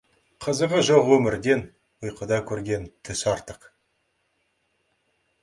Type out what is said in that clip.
Қызығы жоқ өмірден ұйқыда көрген түс артық.